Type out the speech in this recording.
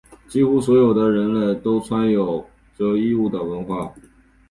几乎所有的人类都有穿着衣物的文化。